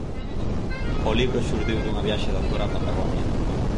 O libro xurdiu dunha viaxe da autora á Patagonia.